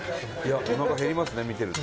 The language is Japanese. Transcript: おなか減りますね、見てると。